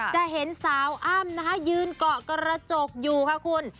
จะเห็นสาวอั้มยืนกระเกราะกระจกอยู่ค่ะคุณ